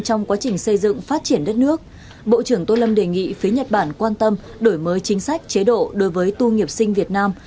trong quá trình xây dựng phát triển đất nước bộ trưởng tô lâm đề nghị phía nhật bản quan tâm đổi mới chính sách chế độ đối với tu nghiệp sinh việt nam